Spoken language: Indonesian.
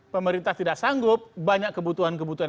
pemerintah tidak sanggup banyak kebutuhan kebutuhan